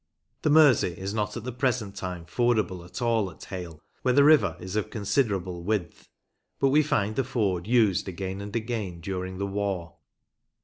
The Mersey is not at the present time fordable at all at Hale, where the river is of considerable width, but we find the ford used again and again during the war.